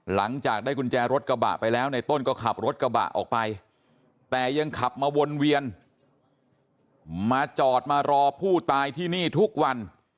หลังจากได้กุญแจรถกระบะไปแล้วในต้นก็ขับรถกระบะออกไปแต่ยังขับมาวนเวียนมาจอดมารอผู้ตายที่นี่ทุกวัน